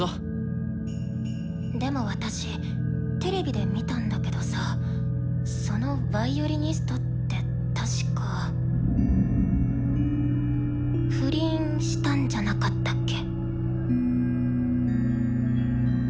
でも私テレビで見たんだけどさそのヴァイオリニストって確か不倫したんじゃなかったっけ？